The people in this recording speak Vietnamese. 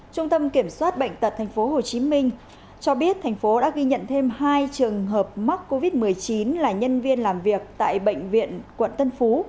trung tâm kiểm soát bệnh tật tp hcm cho biết thành phố đã ghi nhận thêm hai trường hợp mắc covid một mươi chín là nhân viên làm việc tại bệnh viện quận tân phú